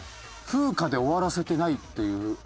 「風花」で終わらせてないっていう。